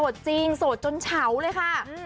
จริงโสดจนเฉาเลยค่ะ